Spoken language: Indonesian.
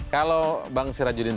kalau yang terjadi ini